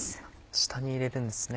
下に入れるんですね。